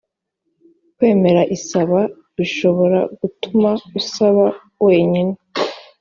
kwemera isaba bishobora gutuma usaba wenyine